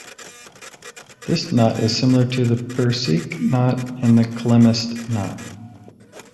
This knot is similar to the Prusik knot and the Klemheist knot.